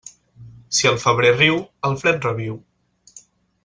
Si el febrer riu, el fred reviu.